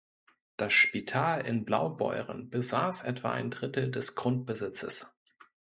Das Spital in Blaubeuren besaß etwa ein Drittel des Grundbesitzes.